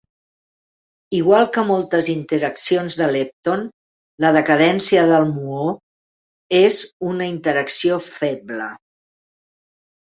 Igual que moltes interaccions de lepton, la decadència del muó és una interacció feble.